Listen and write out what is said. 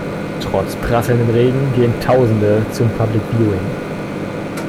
Trotz prasselndem Regen gehen tausende zum Public Viewing.